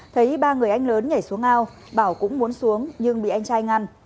thấy ba người anh lớn nhảy xuống ao bảo cũng muốn xuống nhưng bị anh trai ngăn